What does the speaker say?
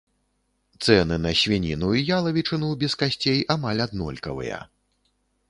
Цэны на свініну і ялавічыну без касцей амаль аднолькавыя.